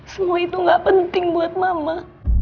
semua itu gak penting buat mama